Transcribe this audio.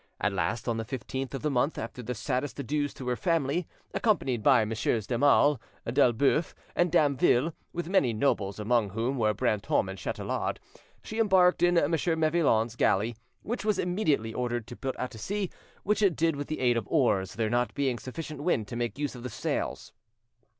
At last, on the 15th of the month, after the saddest adieus to her family, accompanied by Messieurs d'Aumale, d'Elboeuf, and Damville, with many nobles, among whom were Brantome and Chatelard, she embarked in M. Mevillon's galley, which was immediately ordered to put out to sea, which it did with the aid of oars, there not being sufficient wind to make use of the sails.